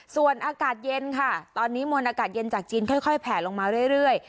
ส่วนอากาศเย็นค่ะตอนนี้มวลอากาศเย็นจากจีนค่อยแผลลงมาเรื่อย